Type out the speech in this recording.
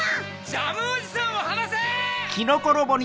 ジャムおじさんをはなせ！